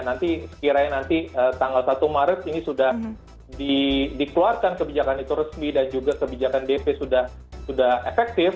nanti sekiranya nanti tanggal satu maret ini sudah dikeluarkan kebijakan itu resmi dan juga kebijakan dp sudah efektif